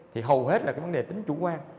thì hầu hết là cái vấn đề tính chủ quan